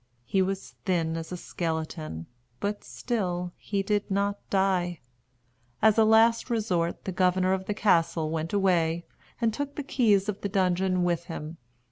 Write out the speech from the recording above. He was thin as a skeleton; but still he did not die. As a last resort, the governor of the castle went away and took the keys of the dungeon with him.